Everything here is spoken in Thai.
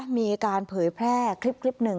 มีการเผยแพร่คลิปหนึ่ง